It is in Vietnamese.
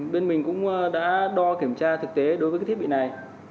bên mình cũng đã đo kiểm tra thực tế đối với cái thiết bị này